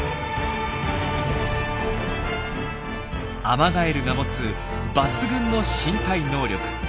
アマガエルが持つ抜群の身体能力。